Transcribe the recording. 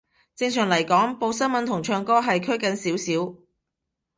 正常嚟講，報新聞同唱歌係拘謹少少